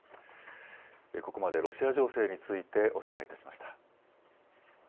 ここまでロシア情勢についてお伝えいたしました。